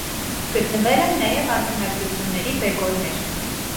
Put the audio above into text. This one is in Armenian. Գտնվել են նաև արձանագրությունների բեկորներ։